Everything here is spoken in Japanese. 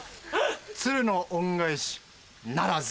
鶴の恩返しならず！